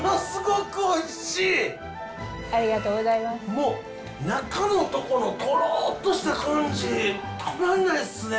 もう中のとこのトロッとした感じたまんないですね。